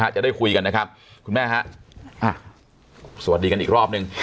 จะได้คุยกันนะครับคุณแม่ฮะสวัสดีกันอีกรอบนึง